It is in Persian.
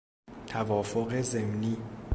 توافق ضمنی